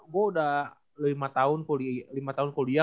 gue udah lima tahun kuliah